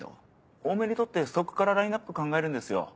多めに撮ってストックからラインアップ考えるんですよ。